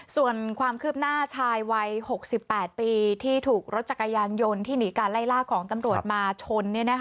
ส่วนความคืบหน้าชายวัย๖๘ปีที่ถูกรถจักรยานยนต์ที่หนีการไล่ล่าของตำรวจมาชน